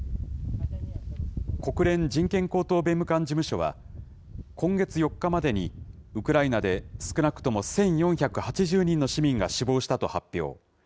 国連人権高等弁務官事務所は、今月４日までにウクライナで少なくとも１４８０人の市民が死亡したと発表。